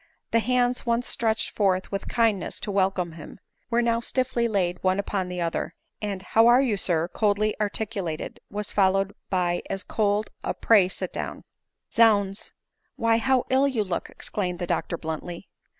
The hands once stretched forth with kindness to welcome him, were now stiffly laid one upon 116 ADELINE MOWBRAY. the other ; and " how are you, sir ?" coldly articulated* was followed by as cold a " Pray sit down." " Zounds !— Why, how ill you look !" exclaimed the doctor bluntly.